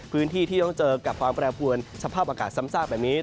พื้นที่ที่ต้องเจอกับความแปรปวนสภาพอากาศซ้ำซากแบบนี้